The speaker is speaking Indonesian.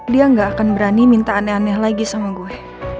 dia gak akan berani minta aneh aneh lagi sama gue